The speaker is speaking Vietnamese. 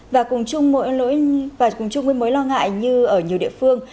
và cùng chung với mối lo ngại như ở nhiều địa phương